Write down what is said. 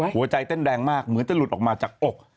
หัวใจเต้นแรงมากเหมือนจะหลุดออกมาจากอก